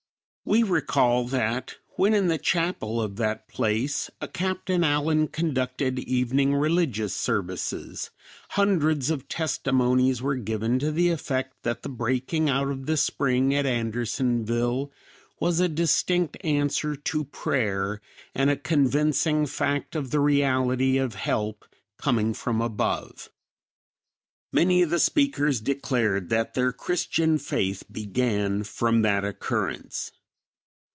We recall that when in the chapel of that place a Capt. Allen conducted evening religious services, hundreds of testimonies were given to the effect that the breaking out of the spring at Andersonville was a distinct answer to prayer and a convincing fact of the reality of help coming from above. Many of the speakers declared that their Christian faith began from that occurrence.